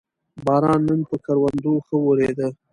باران نن پر کروندو ښه ورېد